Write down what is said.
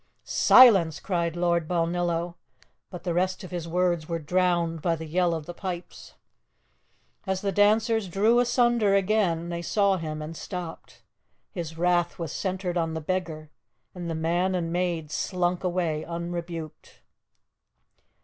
"Silence!" cried Lord Balnillo. But the rest of his words were drowned by the yell of the pipes. As the dancers drew asunder again, they saw him and stopped. His wrath was centred on the beggar, and man and maid slunk away unrebuked.